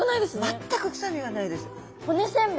全く臭みがないです。